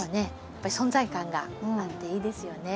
やっぱり存在感があっていいですよね。